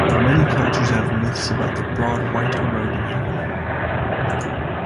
Many cultures have myths about the broad white road in heaven.